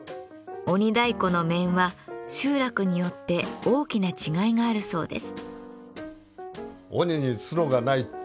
鬼太鼓の面は集落によって大きな違いがあるそうです。